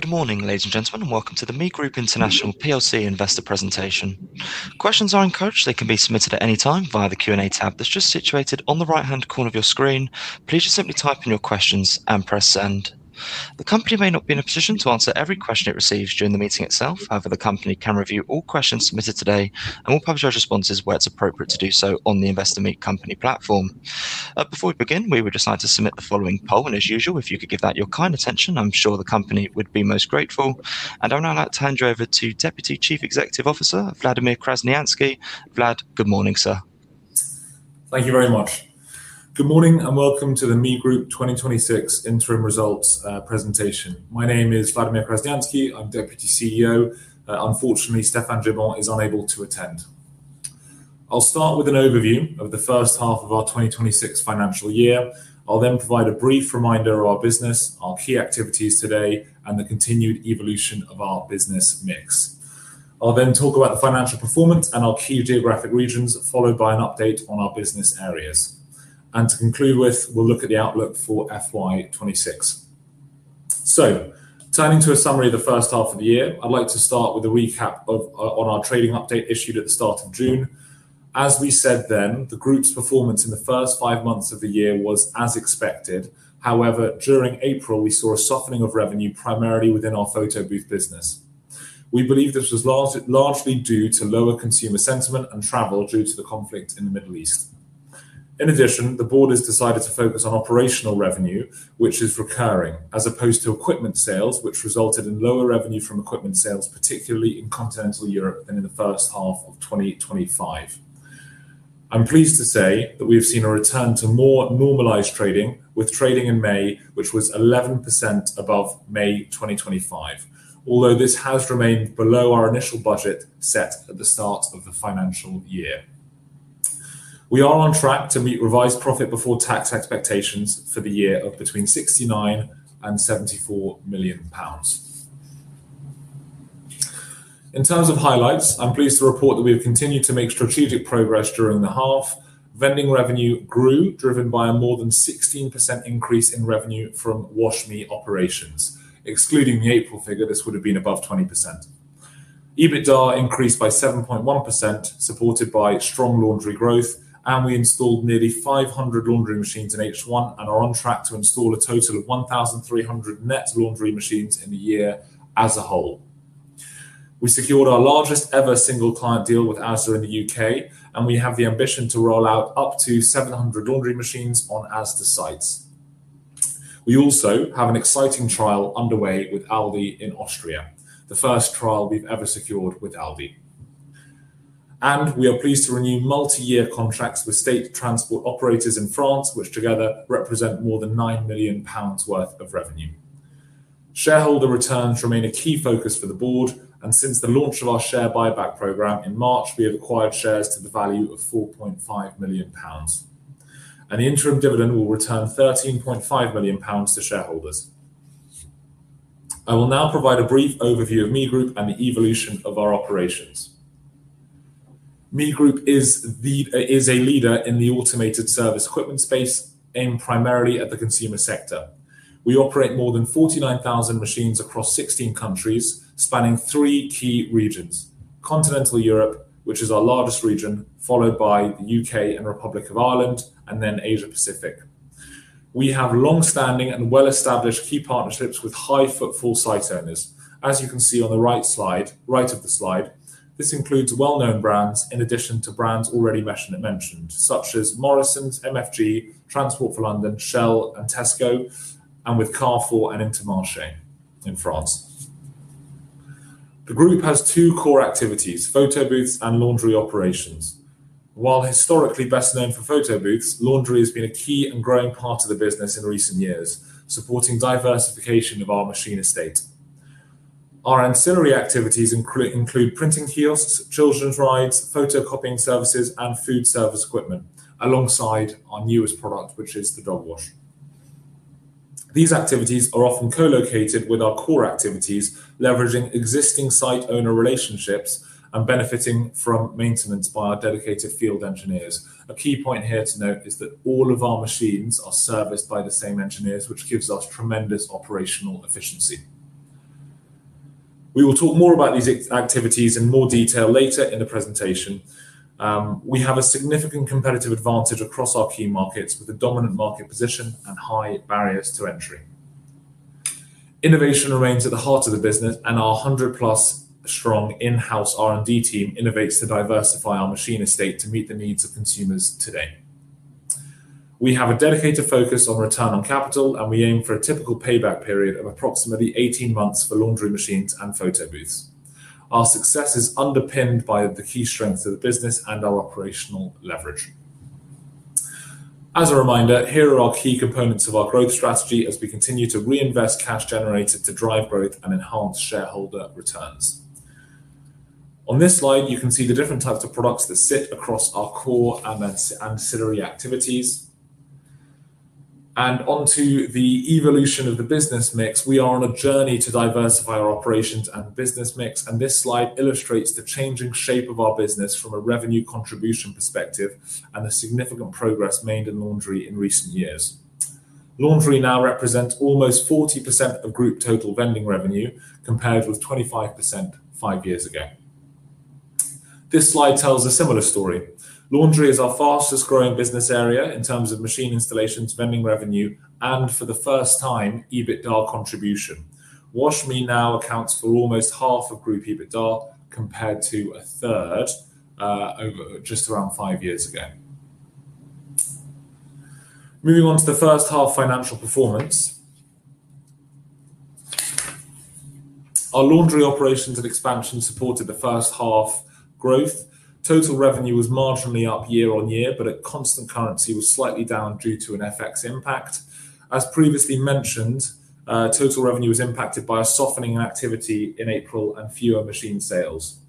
Good morning, ladies and gentlemen, and welcome to the ME Group International PLC investor presentation. Questions are encouraged. They can be submitted at any time via the Q&A tab that's just situated on the right-hand corner of your screen. Please just simply type in your questions and press send. The company may not be in a position to answer every question it receives during the meeting itself. However, the company can review all questions submitted today, and we'll publish our responses where it's appropriate to do so on the Investor Meet Company platform. Before we begin, we would just like to submit the following poll, and as usual, if you could give that your kind attention, I'm sure the company would be most grateful. I'll now like to hand you over to Deputy Chief Executive Officer Vladimir Crasneanscki. Vlad, good morning, sir. Thank you very much. Good morning and welcome to the ME Group 2026 interim results presentation. My name is Vladimir Crasneanscki. I'm Deputy CEO. Unfortunately, Stéphane Gibon is unable to attend. I'll start with an overview of the first half of our 2026 financial year. I'll then provide a brief reminder of our business, our key activities today, and the continued evolution of our business mix. I'll then talk about the financial performance in our key geographic regions, followed by an update on our business areas. To conclude with, we'll look at the outlook for FY 2026. Turning to a summary of the first half of the year, I'd like to start with a recap on our trading update issued at the start of June. As we said then, the group's performance in the first five months of the year was as expected. However, during April, we saw a softening of revenue, primarily within our photobooth business. We believe this was largely due to lower consumer sentiment and travel due to the conflict in the Middle East. In addition, the board has decided to focus on operational revenue, which is recurring, as opposed to equipment sales, which resulted in lower revenue from equipment sales, particularly in Continental Europe and in the first half of 2025. I'm pleased to say that we have seen a return to more normalized trading with trading in May, which was 11% above May 2025. Although this has remained below our initial budget set at the start of the financial year. We are on track to meet revised profit before tax expectations for the year of between 69 million and 74 million pounds. In terms of highlights, I'm pleased to report that we have continued to make strategic progress during the half. Vending revenue grew, driven by a more than 16% increase in revenue from Wash.ME operations. Excluding the April figure, this would have been above 20%. EBITDA increased by 7.1%, supported by strong laundry growth. We installed nearly 500 laundry machines in H1 and are on track to install a total of 1,300 net laundry machines in the year as a whole. We secured our largest ever single client deal with ASDA in the U.K. We have the ambition to roll out up to 700 laundry machines on ASDA sites. We also have an exciting trial underway with Aldi in Austria, the first trial we've ever secured with Aldi. We are pleased to renew multi-year contracts with state transport operators in France, which together represent more than 9 million pounds worth of revenue. Shareholder returns remain a key focus for the board, since the launch of our share buyback program in March, we have acquired shares to the value of 4.5 million pounds. An interim dividend will return 13.5 million pounds to shareholders. I will now provide a brief overview of ME Group and the evolution of our operations. ME Group is a leader in the automated service equipment space, aimed primarily at the consumer sector. We operate more than 49,000 machines across 16 countries, spanning three key regions, Continental Europe, which is our largest region, followed by the U.K. and Republic of Ireland, and then Asia-Pacific. We have longstanding and well-established key partnerships with high-footfall site owners. You can see on the right of the slide, this includes well-known brands in addition to brands already mentioned, such as Morrisons, MFG, Transport for London, Shell, and Tesco, with Carrefour and Intermarché in France. The group has two core activities, photo booths and laundry operations. While historically best known for photo booths, laundry has been a key and growing part of the business in recent years, supporting diversification of our machine estate. Our ancillary activities include printing kiosks, children's rides, photocopying services, and food service equipment, alongside our newest product, which is the dog wash. These activities are often co-located with our core activities, leveraging existing site owner relationships and benefiting from maintenance by our dedicated field engineers. A key point here to note is that all of our machines are serviced by the same engineers, which gives us tremendous operational efficiency. We will talk more about these activities in more detail later in the presentation. We have a significant competitive advantage across our key markets with a dominant market position and high barriers to entry. Innovation remains at the heart of the business, our 100+ strong in-house R&D team innovates to diversify our machine estate to meet the needs of consumers today. We have a dedicated focus on return on capital, we aim for a typical payback period of approximately 18 months for laundry machines and photo booths. Our success is underpinned by the key strengths of the business and our operational leverage. A reminder, here are our key components of our growth strategy as we continue to reinvest cash generated to drive growth and enhance shareholder returns. On this slide, you can see the different types of products that sit across our core and ancillary activities. Onto the evolution of the business mix. We are on a journey to diversify our operations and business mix, this slide illustrates the changing shape of our business from a revenue contribution perspective and the significant progress made in laundry in recent years. Laundry now represents almost 40% of group total vending revenue, compared with 25% five years ago. This slide tells a similar story. Laundry is our fastest growing business area in terms of machine installations, vending revenue, and for the first time, EBITDA contribution. Wash.ME now accounts for almost half of group EBITDA compared to a third over just around five years ago. Moving on to the first half financial performance. Our laundry operations and expansion supported the first half growth. Total revenue was marginally up year-on-year, but at constant currency was slightly down due to an FX impact. As previously mentioned, total revenue was impacted by a softening activity in April and fewer machine sales.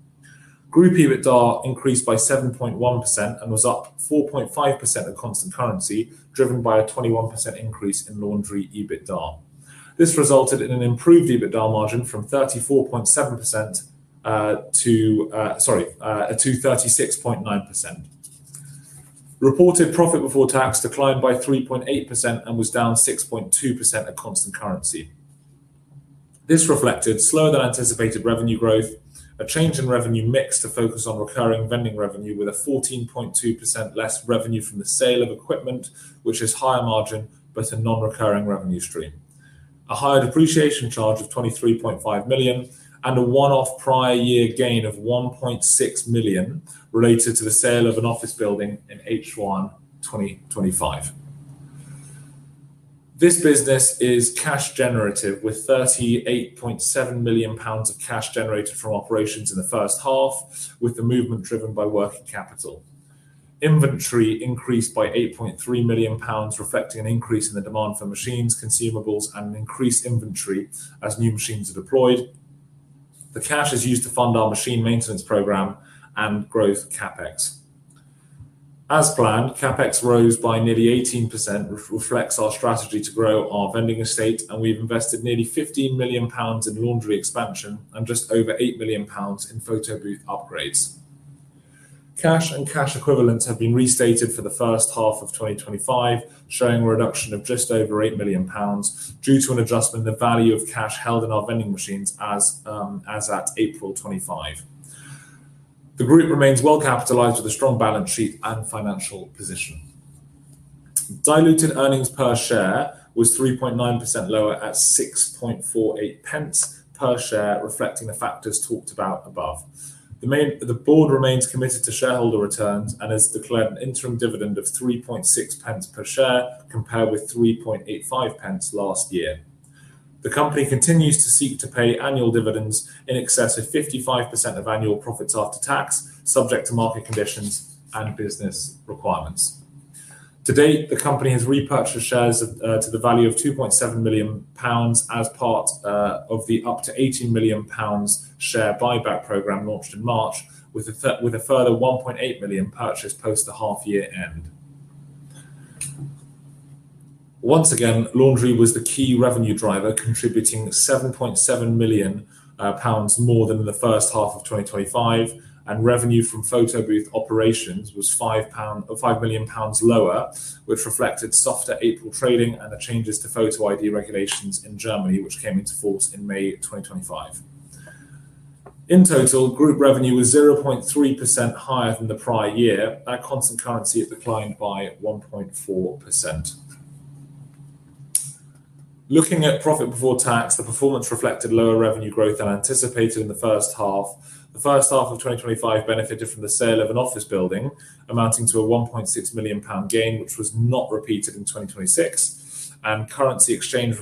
Group EBITDA increased by 7.1% and was up 4.5% at constant currency, driven by a 21% increase in laundry EBITDA. This resulted in an improved EBITDA margin from 34.7% to 36.9%. Reported profit before tax declined by 3.8% and was down 6.2% at constant currency. This reflected slower than anticipated revenue growth, a change in revenue mix to focus on recurring vending revenue with a 14.2% less revenue from the sale of equipment, which is higher margin but a non-recurring revenue stream. A higher depreciation charge of 23.5 million and a one-off prior year gain of 1.6 million related to the sale of an office building in H1 2025. This business is cash generative with 38.7 million pounds of cash generated from operations in the first half, with the movement driven by working capital. Inventory increased by 8.3 million pounds, reflecting an increase in the demand for machines, consumables, and an increased inventory as new machines are deployed. The cash is used to fund our machine maintenance program and growth CapEx. As planned, CapEx rose by nearly 18%, which reflects our strategy to grow our vending estate, and we've invested nearly 15 million pounds in laundry expansion and just over 8 million pounds in photo booth upgrades. Cash and cash equivalents have been restated for the first half of 2025, showing a reduction of just over 8 million pounds due to an adjustment in the value of cash held in our vending machines as at April 2025. The group remains well capitalized with a strong balance sheet and financial position. Diluted earnings per share was 3.9% lower at 0.0648 per share, reflecting the factors talked about above. The board remains committed to shareholder returns and has declared an interim dividend of 0.036 per share compared with 0.0385 last year. The company continues to seek to pay annual dividends in excess of 55% of annual profits after tax, subject to market conditions and business requirements. To date, the company has repurchased shares to the value of 2.7 million pounds as part of the up to 18 million pounds share buyback program launched in March with a further 1.8 million purchase post the half year end. Once again, laundry was the key revenue driver, contributing 7.7 million pounds more than the first half of 2025, and revenue from photo booth operations was 5 million pound lower, which reflected softer April trading and the changes to photo ID regulations in Germany, which came into force in May 2025. In total, group revenue was 0.3% higher than the prior year. At constant currency, it declined by 1.4%. Looking at profit before tax, the performance reflected lower revenue growth than anticipated in the first half. The first half of 2025 benefited from the sale of an office building amounting to a 1.6 million pound gain, which was not repeated in 2026, and currency exchange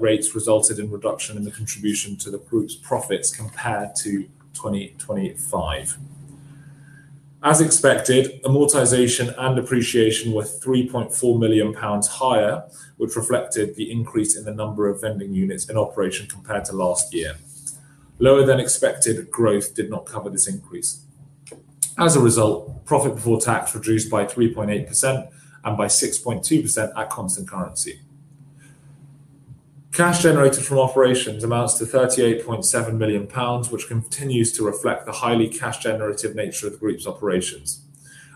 rates resulted in reduction in the contribution to the group's profits compared to 2025. As expected, amortization and depreciation were 3.4 million pounds higher, which reflected the increase in the number of vending units in operation compared to last year. Lower than expected growth did not cover this increase. As a result, profit before tax reduced by 3.8% and by 6.2% at constant currency. Cash generated from operations amounts to 38.7 million pounds, which continues to reflect the highly cash generative nature of the group's operations.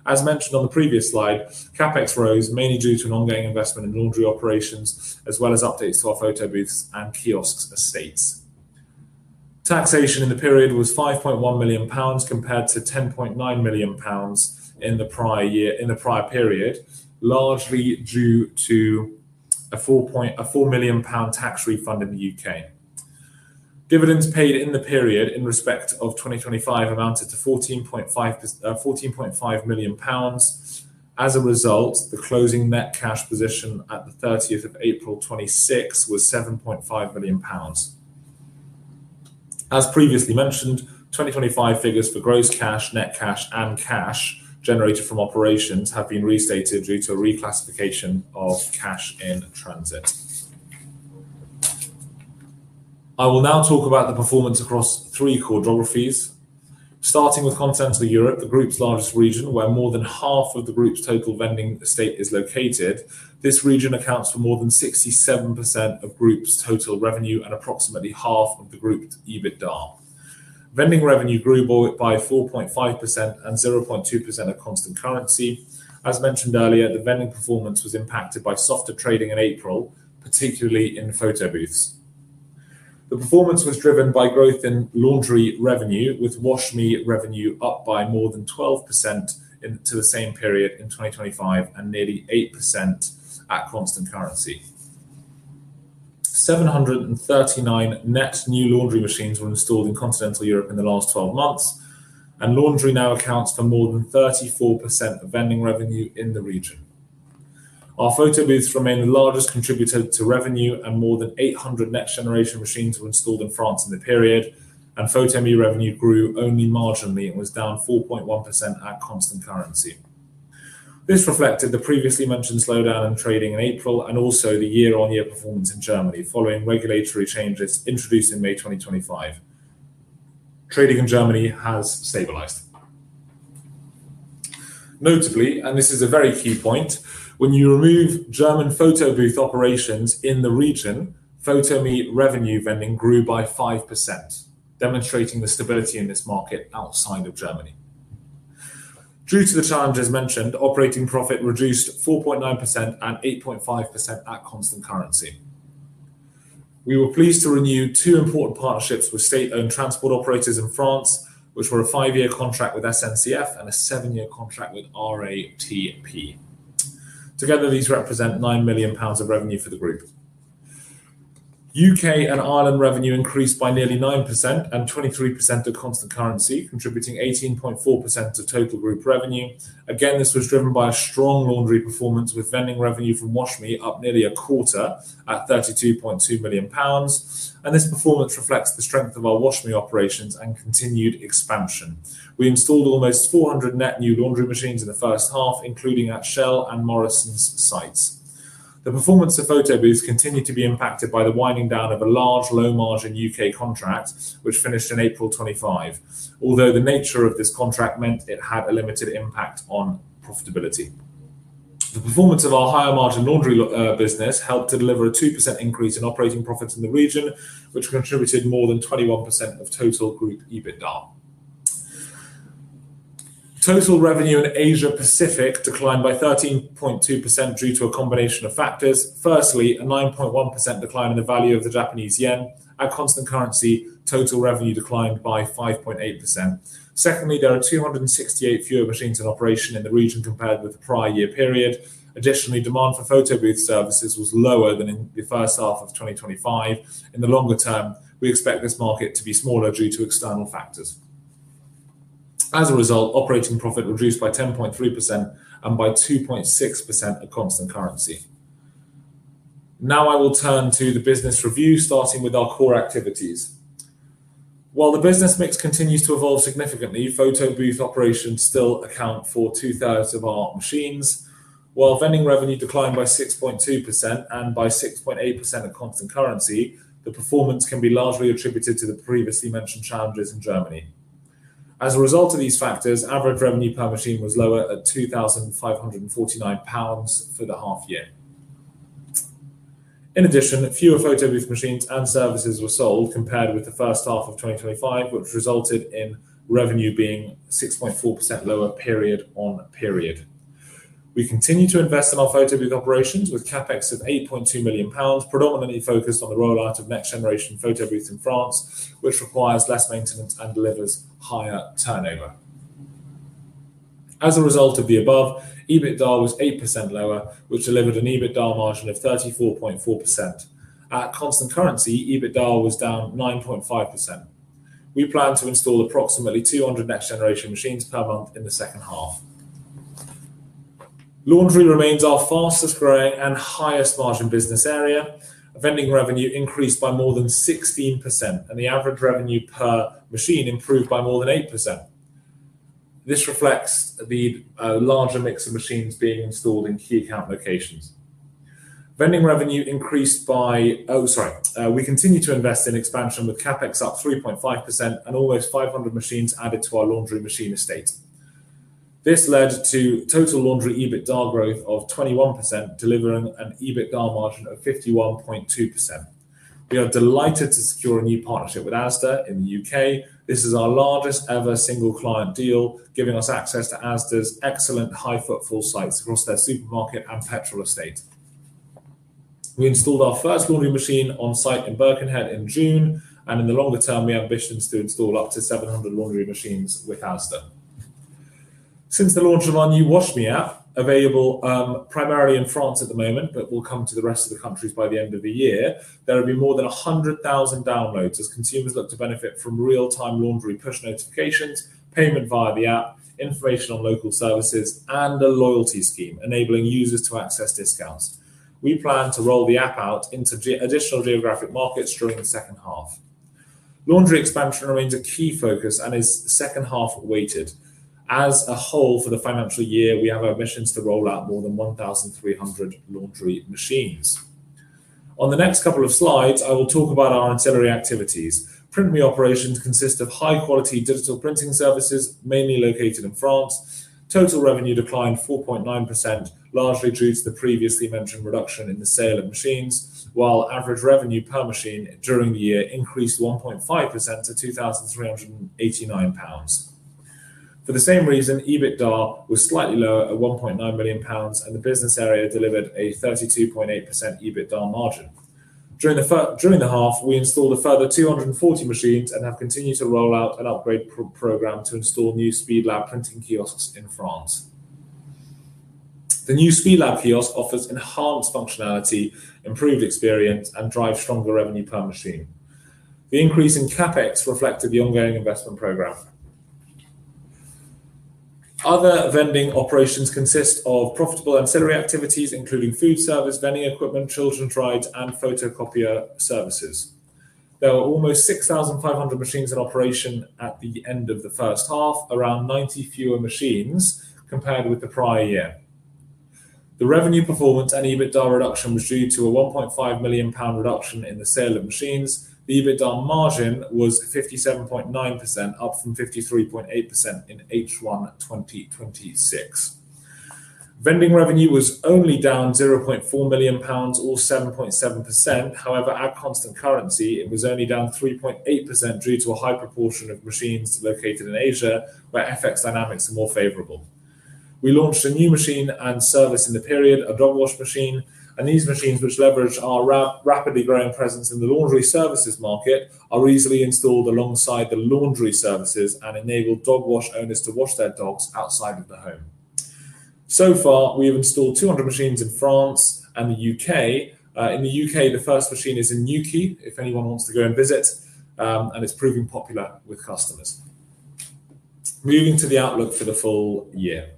As mentioned on the previous slide, CapEx rose mainly due to an ongoing investment in laundry operations, as well as updates to our photobooths and kiosks estates. Taxation in the period was 5.1 million pounds compared to 10.9 million pounds in the prior period, largely due to a 4 million pound tax refund in the U.K. Dividends paid in the period in respect of 2025 amounted to 14.5 million pounds. As a result, the closing net cash position at the 30th of April 2026 was 7.5 million pounds. As previously mentioned, 2025 figures for gross cash, net cash, and cash generated from operations have been restated due to a reclassification of cash in transit. I will now talk about the performance across three core geographies. Starting with Continental Europe, the group's largest region, where more than half of the group's total vending estate is located. This region accounts for more than 67% of group's total revenue and approximately half of the group's EBITDA. Vending revenue grew by 4.5% and 0.2% at constant currency. As mentioned earlier, the vending performance was impacted by softer trading in April, particularly in photobooths. The performance was driven by growth in laundry revenue, with Wash.ME revenue up by more than 12% into the same period in 2025, and nearly 8% at constant currency. 739 net new laundry machines were installed in Continental Europe in the last 12 months, and laundry now accounts for more than 34% of vending revenue in the region. Our photobooths remain the largest contributor to revenue, and more than 800 next-generation machines were installed in France in the period, and Photo.ME revenue grew only marginally and was down 4.1% at constant currency. This reflected the previously mentioned slowdown in trading in April, and also the year-on-year performance in Germany following regulatory changes introduced in May 2025. Trading in Germany has stabilized. Notably, and this is a very key point, when you remove German photobooth operations in the region, Photo.ME revenue vending grew by 5%, demonstrating the stability in this market outside of Germany. Due to the challenges mentioned, operating profit reduced 4.9% and 8.5% at constant currency. We were pleased to renew two important partnerships with state-owned transport operators in France, which were a five-year contract with SNCF and a seven-year contract with RATP. Together, these represent 9 million pounds of revenue for the group. U.K. and Ireland revenue increased by nearly 9% and 23% at constant currency, contributing 18.4% of total group revenue. Again, this was driven by a strong laundry performance with vending revenue from Wash.ME up nearly a quarter at 32.2 million pounds. And this performance reflects the strength of our Wash.ME operations and continued expansion. We installed almost 400 net new laundry machines in the first half, including at Shell and Morrisons' sites. The performance of photobooths continued to be impacted by the winding down of a large low-margin U.K. contract, which finished in April 2025. Although the nature of this contract meant it had a limited impact on profitability. The performance of our higher margin laundry business helped to deliver a 2% increase in operating profits in the region, which contributed more than 21% of total group EBITDA. Total revenue in Asia-Pacific declined by 13.2% due to a combination of factors. Firstly, a 9.1% decline in the value of the Japanese yen at constant currency, total revenue declined by 5.8%. Secondly, there are 268 fewer machines in operation in the region compared with the prior year period. Additionally, demand for photobooth services was lower than in the first half of 2025. In the longer term, we expect this market to be smaller due to external factors. As a result, operating profit reduced by 10.3% and by 2.6% at constant currency. I will turn to the business review, starting with our core activities. While the business mix continues to evolve significantly, photobooth operations still account for 2/3 of our machines. While vending revenue declined by 6.2% and by 6.8% at constant currency, the performance can be largely attributed to the previously mentioned challenges in Germany. As a result of these factors, average revenue per machine was lower at 2,549 pounds for the half year. In addition, fewer photobooth machines and services were sold compared with the first half of 2025, which resulted in revenue being 6.4% lower period on period. We continue to invest in our photobooth operations with CapEx of 8.2 million pounds, predominantly focused on the rollout of next generation photobooths in France, which requires less maintenance and delivers higher turnover. As a result of the above, EBITDA was 8% lower, which delivered an EBITDA margin of 34.4%. At constant currency, EBITDA was down 9.5%. We plan to install approximately 200 next generation machines per month in the second half. Laundry remains our fastest growing and highest margin business area. Vending revenue increased by more than 16%, and the average revenue per machine improved by more than 8%. This reflects the larger mix of machines being installed in key account locations. We continue to invest in expansion with CapEx up 3.5% and almost 500 machines added to our laundry machine estate. This led to total laundry EBITDA growth of 21%, delivering an EBITDA margin of 51.2%. We are delighted to secure a new partnership with ASDA in the U.K. This is our largest ever single client deal, giving us access to ASDA's excellent high footfall sites across their supermarket and petrol estate. We installed our first laundry machine on site in Birkenhead in June, and in the longer term, we ambition to install up to 700 laundry machines with ASDA. Since the launch of our new Wash.ME app, available primarily in France at the moment, but will come to the rest of the countries by the end of the year, there will be more than 100,000 downloads as consumers look to benefit from real-time laundry push notifications, payment via the app, information on local services, and a loyalty scheme enabling users to access discounts. We plan to roll the app out into additional geographic markets during the second half. Laundry expansion remains a key focus and is second half weighted. As a whole for the financial year, we have ambitions to roll out more than 1,300 laundry machines. The next couple of slides, I will talk about our ancillary activities. Print.ME operations consist of high-quality digital printing services, mainly located in France. Total revenue declined 4.9%, largely due to the previously mentioned reduction in the sale of machines, while average revenue per machine during the year increased 1.5% to 2,389 pounds. For the same reason, EBITDA was slightly lower at 1.9 million pounds, and the business area delivered a 32.8% EBITDA margin. During the half, we installed a further 240 machines and have continued to roll out an upgrade program to install new Speedlab printing kiosks in France. The new Speedlab kiosk offers enhanced functionality, improved experience, and drives stronger revenue per machine. The increase in CapEx reflected the ongoing investment program. Other vending operations consist of profitable ancillary activities including food service, vending equipment, children's rides, and photocopier services. There were almost 6,500 machines in operation at the end of the first half, around 90 fewer machines compared with the prior year. The revenue performance and EBITDA reduction was due to a 1.5 million pound reduction in the sale of machines. The EBITDA margin was 57.9%, up from 53.8% in H1 2026. Vending revenue was only down 0.4 million pounds or 7.7%. At constant currency it was only down 3.8% due to a high proportion of machines located in Asia, where FX dynamics are more favorable. We launched a new machine and service in the period, a dog wash machine, and these machines, which leverage our rapidly growing presence in the laundry services market, are easily installed alongside the laundry services and enable dog wash owners to wash their dogs outside of the home. So far, we have installed 200 machines in France and the U.K. In the U.K., the first machine is in Newquay, if anyone wants to go and visit, and it's proving popular with customers. Moving to the outlook for the full year.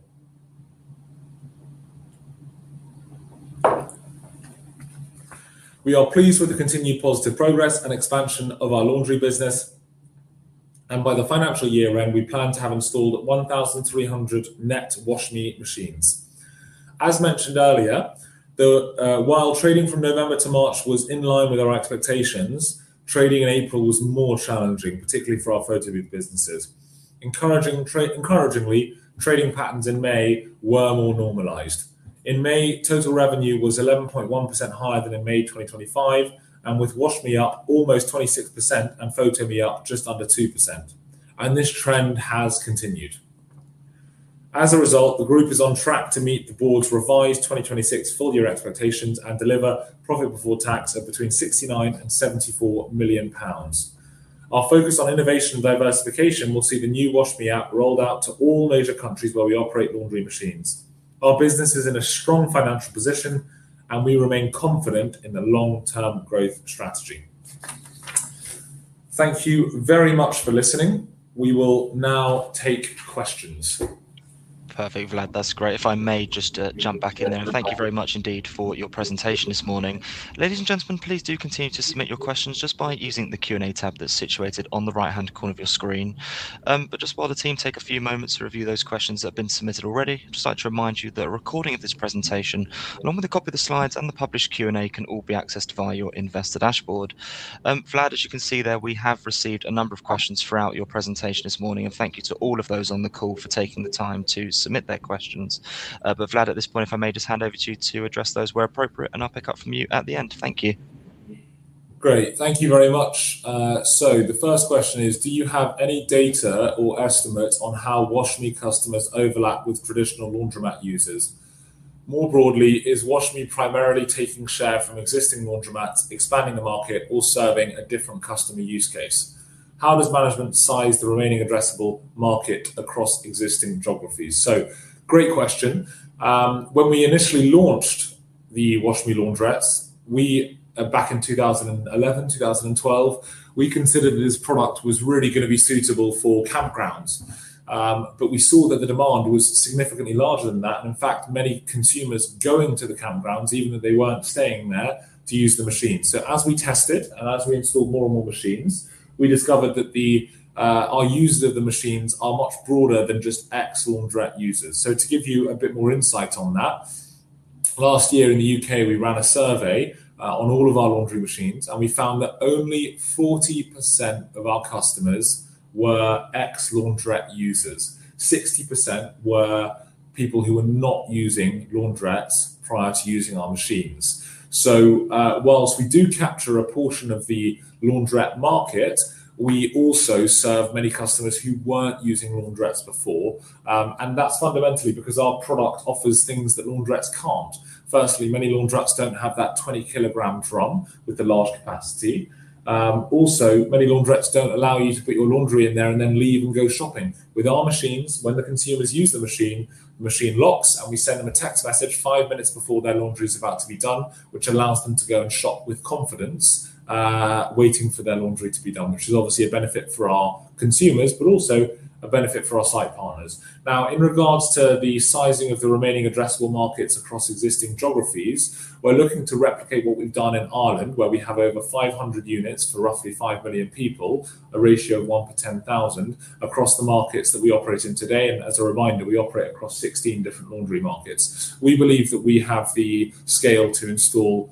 We are pleased with the continued positive progress and expansion of our laundry business, by the financial year end, we plan to have installed 1,300 net Wash.ME machines. As mentioned earlier, while trading from November to March was in line with our expectations, trading in April was more challenging, particularly for our photo booth businesses. Encouragingly, trading patterns in May were more normalized. In May, total revenue was 11.1% higher than in May 2025, with Wash.ME up almost 26% and Photo.ME up just under 2%, and this trend has continued. As a result, the group is on track to meet the board's revised 2026 full year expectations and deliver profit before tax of between 69 million and 74 million pounds. Our focus on innovation and diversification will see the new Wash.ME app rolled out to all major countries where we operate laundry machines. Our business is in a strong financial position, and we remain confident in the long-term growth strategy. Thank you very much for listening. We will now take questions. Perfect, Vlad. That's great. If I may just jump back in there. Thank you very much indeed for your presentation this morning. Ladies and gentlemen, please do continue to submit your questions just by using the Q&A tab that's situated on the right-hand corner of your screen. Just while the team take a few moments to review those questions that have been submitted already, just like to remind you that a recording of this presentation, along with a copy of the slides and the published Q&A, can all be accessed via your investor dashboard. Vlad, as you can see there, we have received a number of questions throughout your presentation this morning, and thank you to all of those on the call for taking the time to submit their questions. Vlad, at this point, if I may just hand over to you to address those where appropriate, and I'll pick up from you at the end. Thank you. Great. Thank you very much. The first question is, do you have any data or estimates on how Wash.ME customers overlap with traditional laundromat users? More broadly, is Wash.ME primarily taking share from existing laundromats, expanding the market or serving a different customer use case? How does management size the remaining addressable market across existing geographies? Great question. When we initially launched the Wash.ME laundrettes back in 2011, 2012, we considered this product was really going to be suitable for campgrounds. We saw that the demand was significantly larger than that and, in fact, many consumers going to the campgrounds, even if they weren't staying there, to use the machines. As we tested and as we installed more and more machines, we discovered that our users of the machines are much broader than just ex-laundrette users. To give you a bit more insight on that, last year in the U.K. we ran a survey on all of our laundry machines and we found that only 40% of our customers were ex-laundrette users. 60% were people who were not using laundrettes prior to using our machines. Whilst we do capture a portion of the laundrette market, we also serve many customers who weren't using laundrettes before. That's fundamentally because our product offers things that laundrettes can't. Firstly, many laundrettes don't have that 20-kg drum with the large capacity. Also, many laundrettes don't allow you to put your laundry in there and then leave and go shopping. With our machines, when the consumers use the machine, the machine locks and we send them a text message five minutes before their laundry is about to be done, which allows them to go and shop with confidence, waiting for their laundry to be done. Which is obviously a benefit for our consumers, but also a benefit for our site partners. In regards to the sizing of the remaining addressable markets across existing geographies, we're looking to replicate what we've done in Ireland where we have over 500 units for roughly 5 million people, a ratio of one to 10,000 across the markets that we operate in today. As a reminder, we operate across 16 different laundry markets. We believe that we have the scale to install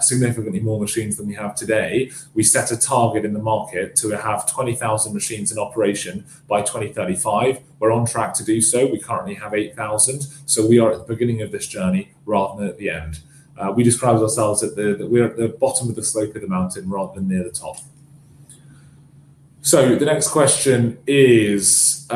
significantly more machines than we have today. We set a target in the market to have 20,000 machines in operation by 2035. We're on track to do so. We currently have 8,000. So we are at the beginning of this journey rather than at the end. We describe ourselves as we're at the bottom of the slope of the mountain rather than near the top. The next question is,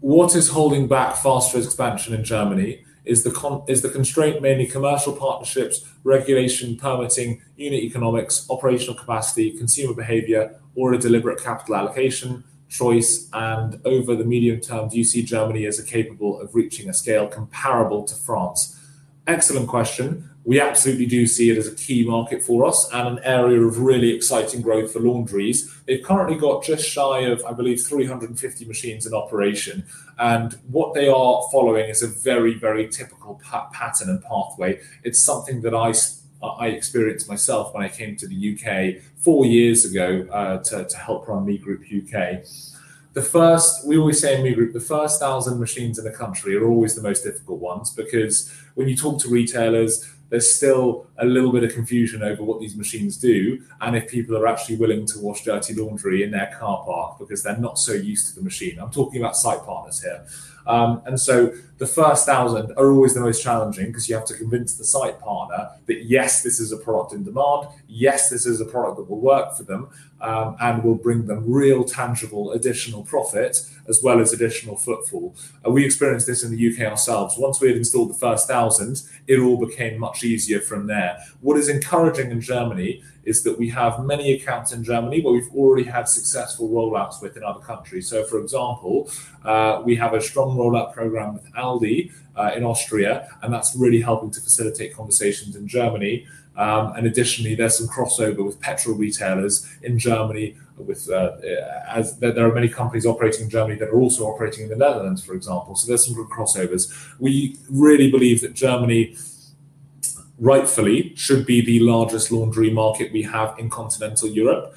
what is holding back faster expansion in Germany? Is the constraint mainly commercial partnerships, regulation, permitting, unit economics, operational capacity, consumer behavior, or a deliberate capital allocation choice? Over the medium term, do you see Germany as capable of reaching a scale comparable to France? Excellent question. We absolutely do see it as a key market for us and an area of really exciting growth for laundries. They've currently got just shy of, I believe, 350 machines in operation. What they are following is a very typical pattern and pathway. It's something that I experienced myself when I came to the U.K. four years ago to help run ME Group U.K. We always say in ME Group, the first 1,000 machines in a country are always the most difficult ones, because when you talk to retailers, there's still a little bit of confusion over what these machines do and if people are actually willing to wash dirty laundry in their car park because they're not so used to the machine. I'm talking about site partners here. The first 1,000 are always the most challenging because you have to convince the site partner that, yes, this is a product in demand, yes, this is a product that will work for them and will bring them real, tangible, additional profit as well as additional footfall. We experienced this in the U.K. ourselves. Once we had installed the first 1,000, it all became much easier from there. What is encouraging in Germany is that we have many accounts in Germany where we've already had successful roll-outs with in other countries. For example, we have a strong roll-out program with Aldi in Austria, and that's really helping to facilitate conversations in Germany. Additionally, there's some crossover with petrol retailers in Germany, as there are many companies operating in Germany that are also operating in the Netherlands, for example. There's some good crossovers. We really believe that Germany, rightfully, should be the largest laundry market we have in continental Europe.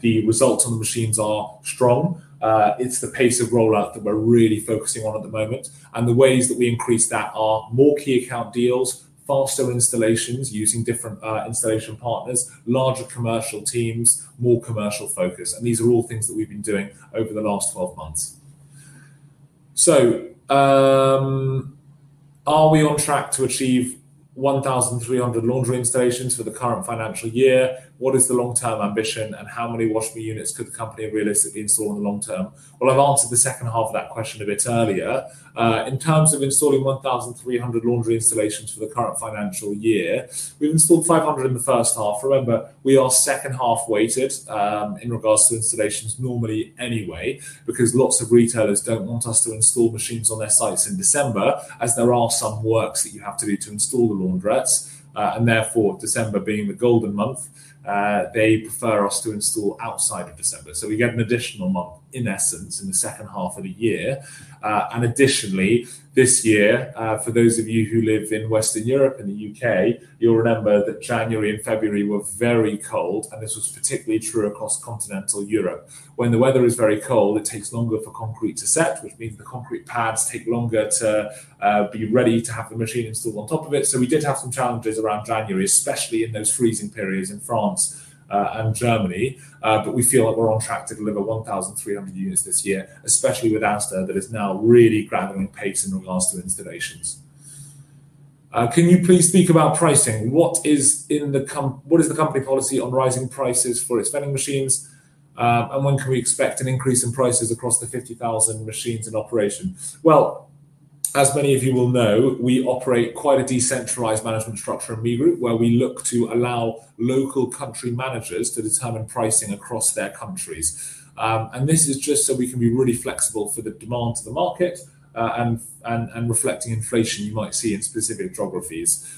The results on the machines are strong. It's the pace of rollout that we're really focusing on at the moment. The ways that we increase that are more key account deals, faster installations using different installation partners, larger commercial teams, more commercial focus, and these are all things that we've been doing over the last 12 months. Are we on track to achieve 1,300 laundry installations for the current financial year? What is the long-term ambition, and how many Wash.ME units could the company realistically install in the long term? I've answered the second half of that question a bit earlier. In terms of installing 1,300 laundry installations for the current financial year, we've installed 500 in the first half. Remember, we are second half weighted in regards to installations normally anyway, because lots of retailers don't want us to install machines on their sites in December, as there are some works that you have to do to install the laundrettes. Therefore, December being the golden month, they prefer us to install outside of December. We get an additional month, in essence, in the second half of the year. Additionally, this year, for those of you who live in Western Europe and the U.K., you'll remember that January and February were very cold, and this was particularly true across continental Europe. When the weather is very cold, it takes longer for concrete to set, which means the concrete pads take longer to be ready to have the machine installed on top of it. We did have some challenges around January, especially in those freezing periods in France and Germany. We feel like we're on track to deliver 1,300 units this year, especially with ASDA that is now really grabbing pace in regards to installations. Can you please speak about pricing? What is the company policy on rising prices for its vending machines, and when can we expect an increase in prices across the 50,000 machines in operation? As many of you will know, we operate quite a decentralized management structure in ME Group, where we look to allow local country managers to determine pricing across their countries. This is just so we can be really flexible for the demand to the market, and reflecting inflation you might see in specific geographies.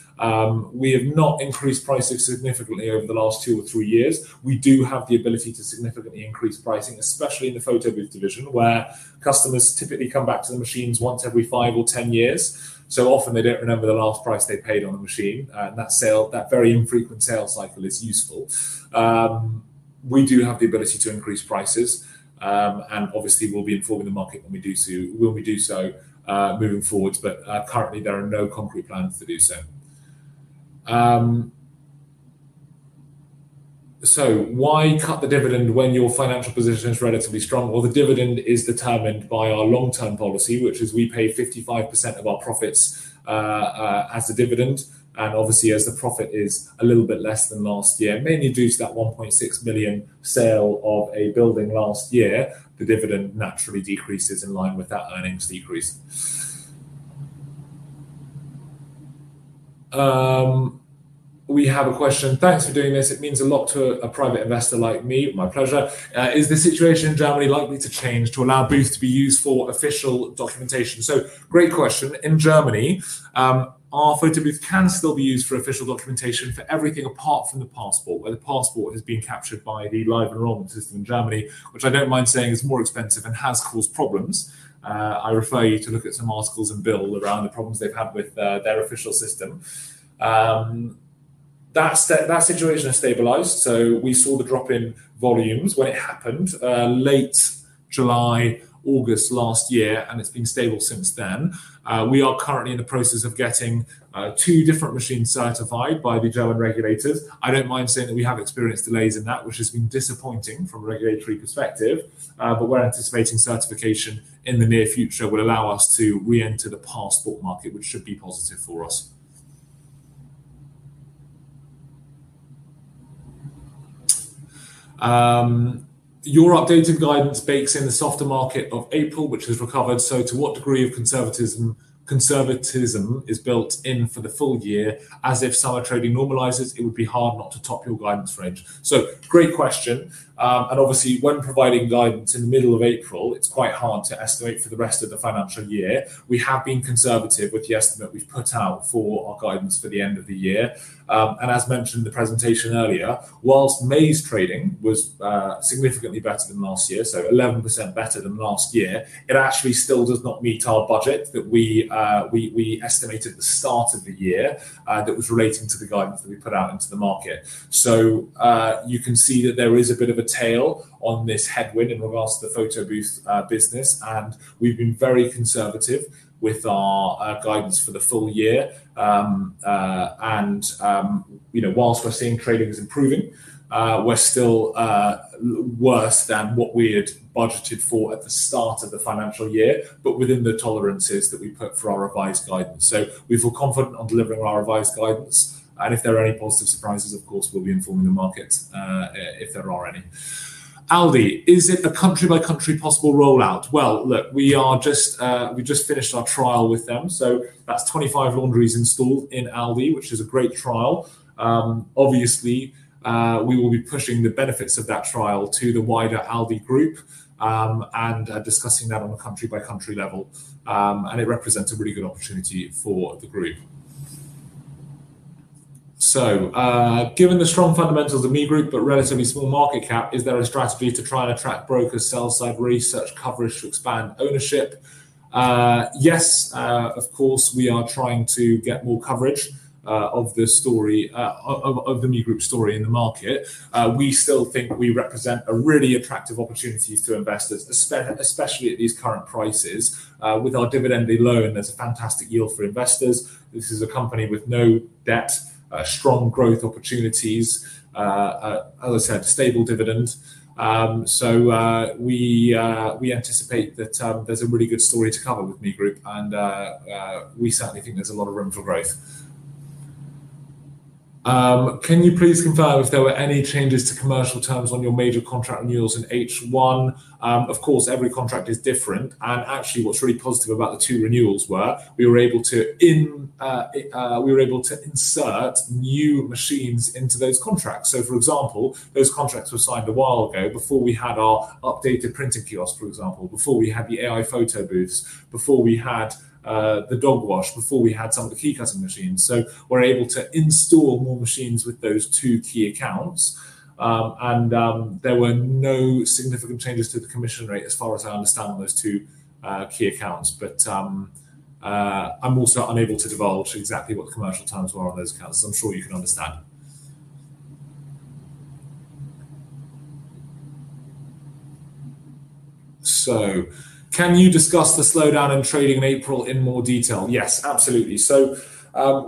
We have not increased pricing significantly over the last two or three years. We do have the ability to significantly increase pricing, especially in the photobooth division, where customers typically come back to the machines once every five or 10 years. Often they don't remember the last price they paid on a machine, and that very infrequent sales cycle is useful. We do have the ability to increase prices, and obviously we'll be informing the market when we do so moving forward. Currently there are no concrete plans to do so. Why cut the dividend when your financial position is relatively strong? The dividend is determined by our long-term policy, which is we pay 55% of our profits as a dividend. Obviously as the profit is a little bit less than last year, mainly due to that 1.6 million sale of a building last year, the dividend naturally decreases in line with that earnings decrease. We have a question. Thanks for doing this. It means a lot to a private investor like me. My pleasure. Is the situation in Germany likely to change to allow booth to be used for official documentation? Great question. In Germany, our photobooth can still be used for official documentation for everything apart from the passport, where the passport is being captured by the live enrollment system in Germany, which I don't mind saying is more expensive and has caused problems. I refer you to look at some articles in Bild around the problems they've had with their official system. That situation has stabilized. We saw the drop in volumes when it happened late July, August last year, and it's been stable since then. We are currently in the process of getting two different machines certified by the German regulators. I don't mind saying that we have experienced delays in that, which has been disappointing from a regulatory perspective. We're anticipating certification in the near future will allow us to reenter the passport market, which should be positive for us. Your updated guidance bakes in the softer market of April, which has recovered. To what degree of conservatism is built in for the full year, as if summer trading normalizes, it would be hard not to top your guidance range. Great question, and obviously when providing guidance in the middle of April, it's quite hard to estimate for the rest of the financial year. We have been conservative with the estimate we've put out for our guidance for the end of the year. As mentioned in the presentation earlier, whilst May's trading was significantly better than last year, so 11% better than last year, it actually still does not meet our budget that we estimated at the start of the year, that was relating to the guidance that we put out into the market. You can see that there is a bit of a tail on this headwind in regards to the photobooth business, and we've been very conservative with our guidance for the full year. Whilst we're seeing trading is improving, we're still worse than what we had budgeted for at the start of the financial year, but within the tolerances that we put for our revised guidance. We feel confident on delivering our revised guidance, and if there are any positive surprises, of course, we'll be informing the market if there are any. Aldi, is it a country-by-country possible rollout? Well, look, we just finished our trial with them, so that's 25 laundries installed in Aldi, which is a great trial. Obviously, we will be pushing the benefits of that trial to the wider Aldi group, and discussing that on a country-by-country level. It represents a really good opportunity for the group. Given the strong fundamentals of ME Group but relatively small market cap, is there a strategy to try and attract brokers, sell-side research coverage to expand ownership? Yes, of course, we are trying to get more coverage of the ME Group story in the market. We still think we represent a really attractive opportunity to investors, especially at these current prices. With our dividend below, there's a fantastic yield for investors. This is a company with no debt, strong growth opportunities, as I said, stable dividend. We anticipate that there's a really good story to cover with ME Group, and we certainly think there's a lot of room for growth. Can you please confirm if there were any changes to commercial terms on your major contract renewals in H1? Of course, every contract is different, and actually what's really positive about the two renewals were we were able to insert new machines into those contracts. For example, those contracts were signed a while ago before we had our updated printing kiosk, for example, before we had the AI photo booths, before we had the dog wash, before we had some of the key cutting machines. We're able to install more machines with those two key accounts. There were no significant changes to the commission rate as far as I understand on those two key accounts. I'm also unable to divulge exactly what the commercial terms were on those accounts, as I'm sure you can understand. Can you discuss the slowdown in trading in April in more detail? Yes, absolutely.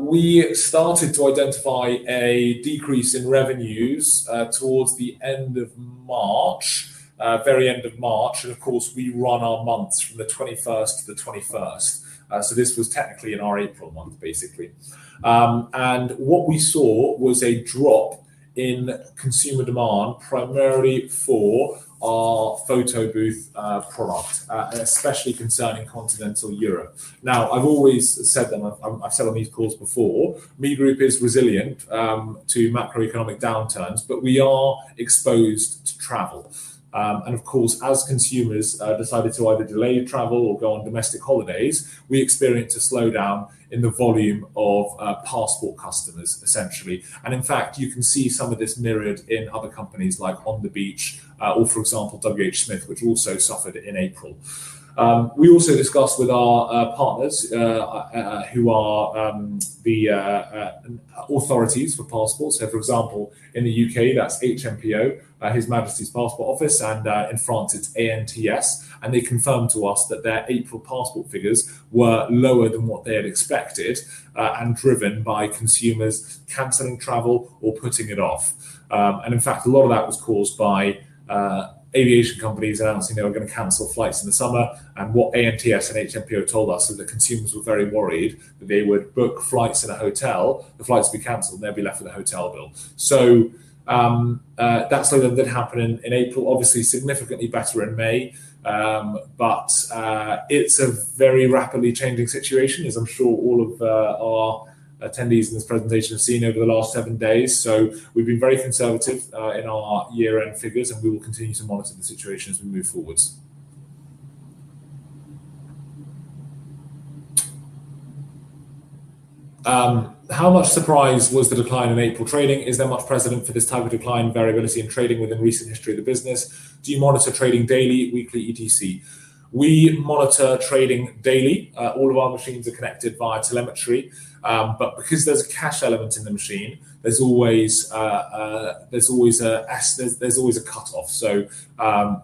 We started to identify a decrease in revenues towards the very end of March, and of course we run our months from the 21st to the 21st. This was technically in our April month, basically. What we saw was a drop in consumer demand, primarily for our photo booth product, especially concerning Continental Europe. Now, I've always said, and I've said on these calls before, ME Group is resilient to macroeconomic downturns, but we are exposed to travel. Of course, as consumers decided to either delay travel or go on domestic holidays, we experienced a slowdown in the volume of passport customers essentially. In fact, you can see some of this mirrored in other companies like On the Beach or for example, WH Smith, which also suffered in April. We also discussed with our partners who are the authorities for passports, so for example, in the U.K. that's HMPO, His Majesty's Passport Office, and in France it's ANTS, and they confirmed to us that their April passport figures were lower than what they had expected, and driven by consumers canceling travel or putting it off. In fact, a lot of that was caused by aviation companies announcing they were going to cancel flights in the summer, and what ANTS and HMPO told us was that consumers were very worried that they would book flights and a hotel, the flights would be canceled, and they'd be left with a hotel bill. That slowdown did happen in April, obviously significantly better in May. It's a very rapidly changing situation as I'm sure all of our attendees in this presentation have seen over the last seven days. We've been very conservative in our year-end figures, and we will continue to monitor the situation as we move forwards. How much surprise was the decline in April trading? Is there much precedent for this type of decline in variability in trading within recent history of the business? Do you monitor trading daily, weekly, etc.? We monitor trading daily. All of our machines are connected via telemetry. Because there's a cash element in the machine, there's always a cutoff.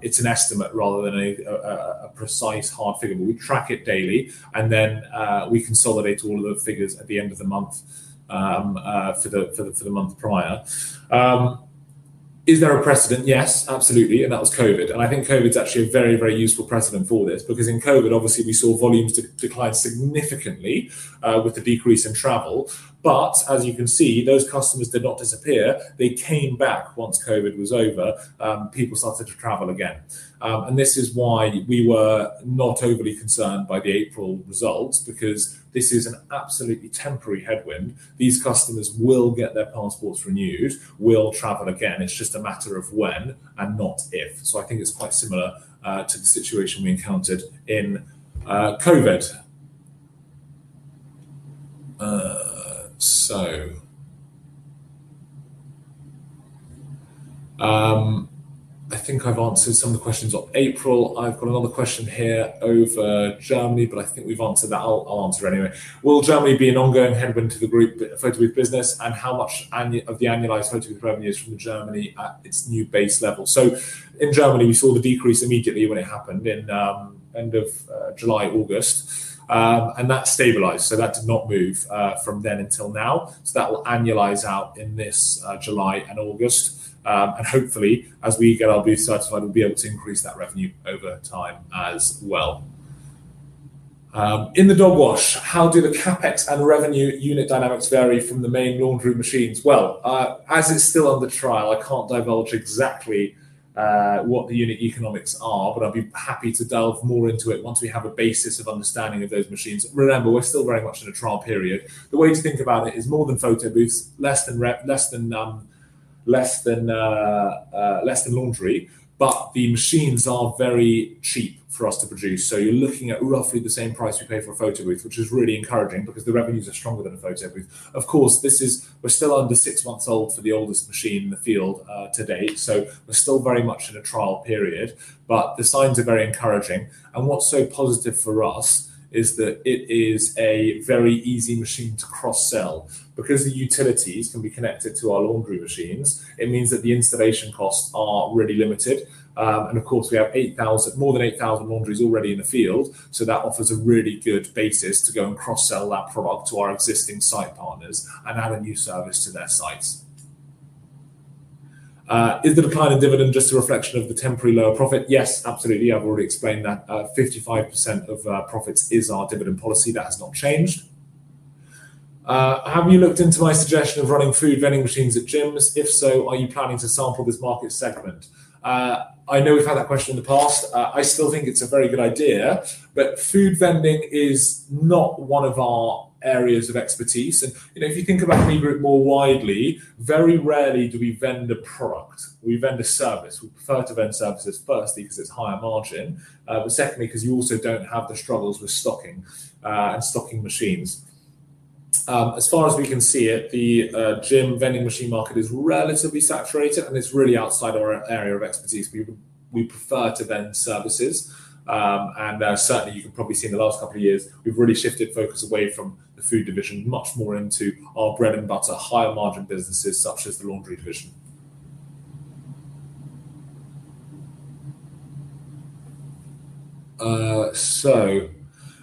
It's an estimate rather than a precise hard figure, but we track it daily and then we consolidate all of the figures at the end of the month for the month prior. Is there a precedent? Yes, absolutely, and that was COVID. I think COVID is actually a very, very useful precedent for this, because in COVID, obviously, we saw volumes decline significantly with the decrease in travel. As you can see, those customers did not disappear. They came back once COVID was over, people started to travel again. This is why we were not overly concerned by the April results, because this is an absolutely temporary headwind. These customers will get their passports renewed, will travel again, it's just a matter of when and not if. I think it's quite similar to the situation we encountered in COVID. I think I've answered some of the questions on April. I've got another question here over Germany, but I think we've answered that. I'll answer anyway. Will Germany be an ongoing headwind to the group photo booth business, and how much of the annualized photo booth revenue is from Germany at its new base level? In Germany, we saw the decrease immediately when it happened in end of July, August. That stabilized, so that did not move from then until now. That will annualize out in this July and August. Hopefully, as we get our booth certified, we'll be able to increase that revenue over time as well. In the dog wash, how do the CapEx and revenue unit dynamics vary from the main laundry machines? As it's still under trial, I can't divulge exactly what the unit economics are, but I'd be happy to delve more into it once we have a basis of understanding of those machines. Remember, we're still very much in a trial period. The way to think about it is more than photo booths, less than laundry. The machines are very cheap for us to produce. You're looking at roughly the same price you pay for a photo booth, which is really encouraging because the revenues are stronger than a photo booth. Of course, we're still under six months old for the oldest machine in the field to date. We're still very much in a trial period, but the signs are very encouraging. What's so positive for us is that it is a very easy machine to cross-sell. The utilities can be connected to our laundry machines, it means that the installation costs are really limited. Of course, we have more than 8,000 laundries already in the field, that offers a really good basis to go and cross-sell that product to our existing site partners and add a new service to their sites. Is the decline of dividend just a reflection of the temporary lower profit? Yes, absolutely. I've already explained that 55% of profits is our dividend policy. That has not changed. Have you looked into my suggestion of running food vending machines at gyms? If so, are you planning to sample this market segment? I know we've had that question in the past. I still think it's a very good idea, food vending is not one of our areas of expertise. If you think about ME Group more widely, very rarely do we vend a product. We vend a service. We prefer to vend services, firstly, because it's higher margin, but secondly, because you also don't have the struggles with stocking and stocking machines. As far as we can see it, the gym vending machine market is relatively saturated, and it's really outside our area of expertise. We prefer to vend services. Certainly you can probably see in the last couple of years, we've really shifted focus away from the food division, much more into our bread and butter, higher margin businesses such as the laundry division.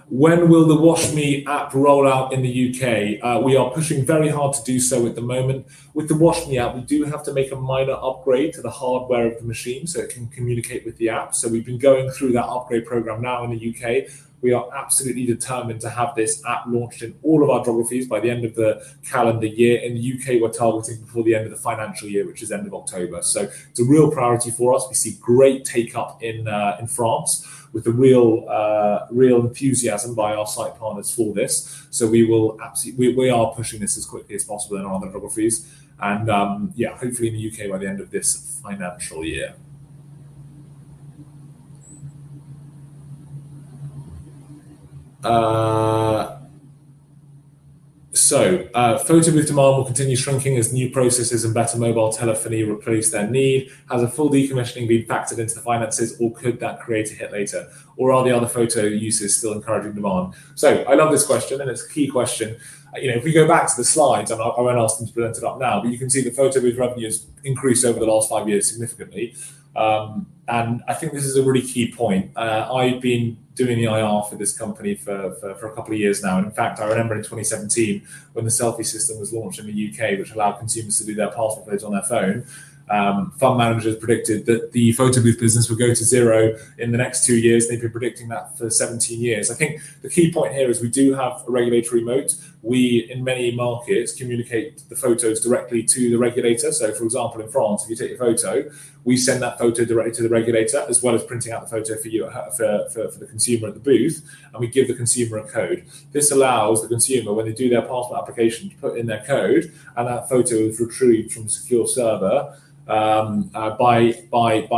When will the Wash.ME app roll out in the U.K.? We are pushing very hard to do so at the moment. With the Wash.ME app, we do have to make a minor upgrade to the hardware of the machine so it can communicate with the app. We've been going through that upgrade program now in the U.K. We are absolutely determined to have this app launched in all of our geographies by the end of the calendar year. In the U.K., we're targeting before the end of the financial year, which is end of October. It's a real priority for us. We see great take-up in France with the real enthusiasm by our site partners for this. We are pushing this as quickly as possible in other geographies and, yeah, hopefully in the U.K. by the end of this financial year. Photo booth demand will continue shrinking as new processes and better mobile telephony replace their need. Has a full decommissioning been factored into the finances, or could that create a hit later? Are the other photo uses still encouraging demand? I love this question, and it's a key question. If we go back to the slides, and I won't ask them to put it up now, but you can see the photo booth revenues increased over the last five years significantly. I think this is a really key point. I've been doing the IR for this company for a couple of years now. In fact, I remember in 2017 when the selfie system was launched in the U.K., which allowed consumers to do their passport photos on their phone, fund managers predicted that the photo booth business would go to zero in the next two years. They've been predicting that for 17 years. I think the key point here is we do have a regulatory moat. We, in many markets, communicate the photos directly to the regulator. For example, in France, if you take your photo, we send that photo directly to the regulator, as well as printing out the photo for the consumer at the booth, and we give the consumer a code. This allows the consumer, when they do their passport application, to put in their code and that photo is retrieved from a secure server by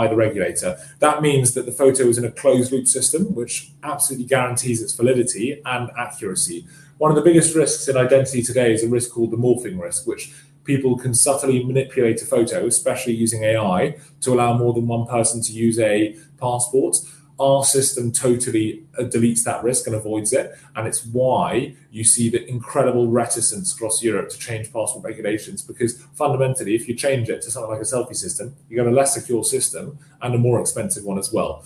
the regulator. That means that the photo is in a closed loop system, which absolutely guarantees its validity and accuracy. One of the biggest risks in identity today is a risk called the morphing risk, which people can subtly manipulate a photo, especially using AI, to allow more than one person to use a passport. Our system totally deletes that risk and avoids it, and it's why you see the incredible reticence across Europe to change passport regulations. Fundamentally, if you change it to something like a selfie system, you got a less secure system and a more expensive one as well.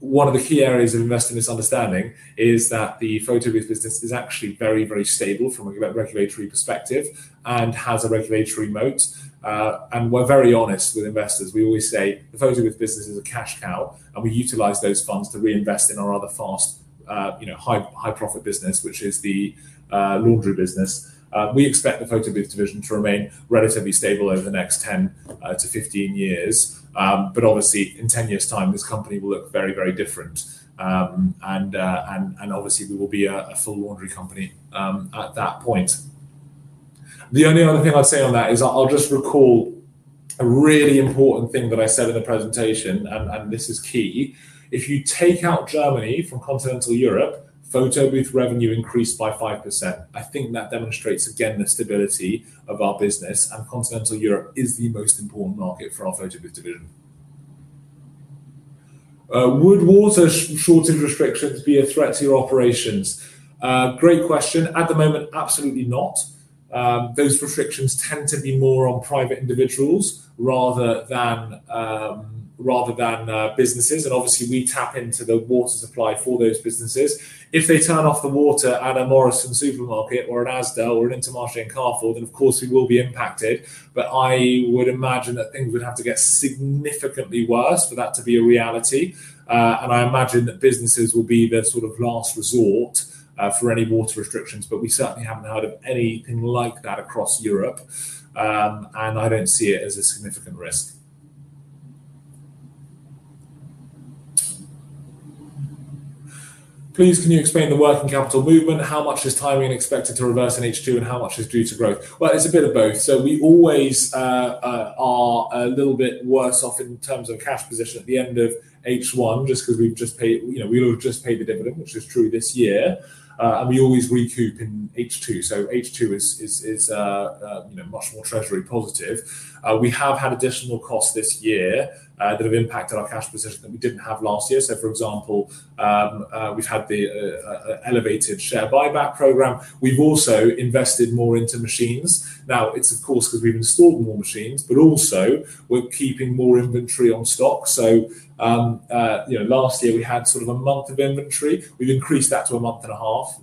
One of the key areas of investor misunderstanding is that the photobooth business is actually very, very stable from a regulatory perspective and has a regulatory moat. We're very honest with investors. We always say the photobooth business is a cash cow, and we utilize those funds to reinvest in our other fast, high profit business, which is the laundry business. We expect the photobooth division to remain relatively stable over the next 10-15 years. Obviously, in 10 years time, this company will look very, very different. Obviously, we will be a full laundry company at that point. The only other thing I'd say on that is I'll just recall a really important thing that I said in the presentation, this is key. If you take out Germany from continental Europe, photobooth revenue increased by 5%. I think that demonstrates, again, the stability of our business, continental Europe is the most important market for our photobooth division. Would water shortage restrictions be a threat to your operations? Great question. At the moment, absolutely not. Those restrictions tend to be more on private individuals rather than businesses, and obviously, we tap into the water supply for those businesses. If they turn off the water at a Morrisons supermarket or an ASDA or an Intermarché and Carrefour, then, of course, we will be impacted. I would imagine that things would have to get significantly worse for that to be a reality. I imagine that businesses will be the sort of last resort for any water restrictions. We certainly haven't heard of anything like that across Europe, and I don't see it as a significant risk. Please, can you explain the working capital movement? How much is timing expected to reverse in H2, and how much is due to growth? Well, it's a bit of both. We always are a little bit worse off in terms of cash position at the end of H1, just because we will have just paid the dividend, which is true this year. We always recoup in H2. H2 is much more treasury positive. We have had additional costs this year that have impacted our cash position that we didn't have last year. For example, we've had the elevated share buyback program. We've also invested more into machines. It's of course, because we've installed more machines, also we're keeping more inventory on stock. Last year we had sort of a month of inventory. We've increased that to a month and a half,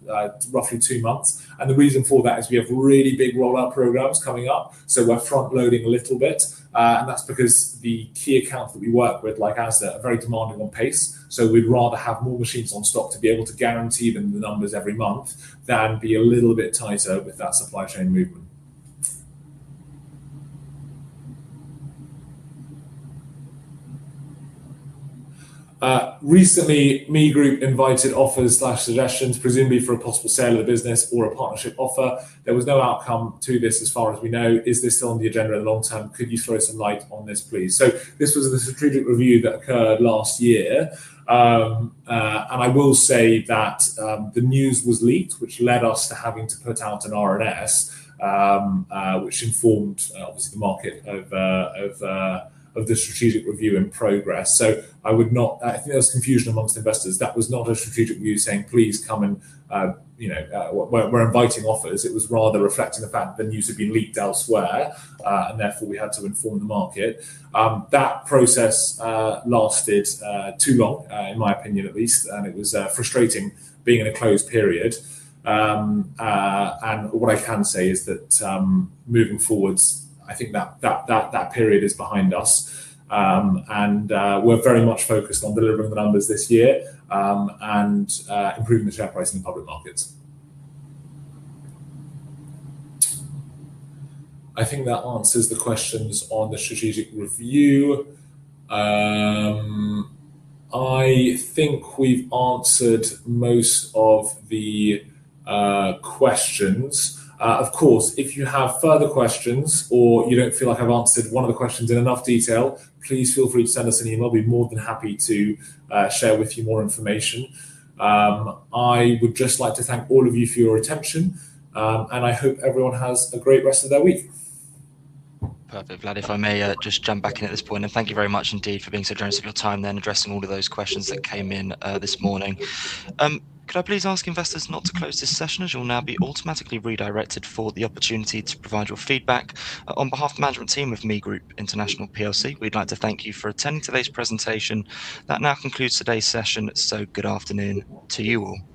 roughly two months. The reason for that is we have really big rollout programs coming up. We're front loading a little bit, that's because the key accounts that we work with, like ASDA, are very demanding on pace. We'd rather have more machines on stock to be able to guarantee them the numbers every month than be a little bit tighter with that supply chain movement. Recently, ME Group invited offers/suggestions, presumably for a possible sale of the business or a partnership offer. There was no outcome to this as far as we know. Is this still on the agenda in the long term? Could you throw some light on this, please? This was the strategic review that occurred last year. I will say that the news was leaked, which led us to having to put out an RNS which informed, obviously, the market of the strategic review in progress. I think there was confusion amongst investors. That was not a strategic review saying, "Please come and we're inviting offers." It was rather reflecting the fact that news had been leaked elsewhere and therefore we had to inform the market. That process lasted too long, in my opinion at least, and it was frustrating being in a closed period. What I can say is that moving forward, I think that period is behind us and we're very much focused on delivering the numbers this year and improving the share price in the public markets. I think that answers the questions on the strategic review. I think we've answered most of the questions. Of course, if you have further questions or you don't feel like I've answered one of the questions in enough detail, please feel free to send us an email. Be more than happy to share with you more information. I would just like to thank all of you for your attention and I hope everyone has a great rest of their week. Perfect. Vlad, if I may just jump back in at this point, thank you very much indeed for being so generous with your time then addressing all of those questions that came in this morning. Could I please ask investors not to close this session as you will now be automatically redirected for the opportunity to provide your feedback. On behalf of the management team of ME Group International PLC, we'd like to thank you for attending today's presentation. That now concludes today's session. Good afternoon to you all.